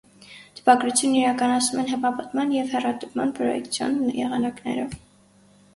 Տպագրությունն իրականացնում են հպատպման և հեռատպման (պրոյեկցիոն) եղանակներով։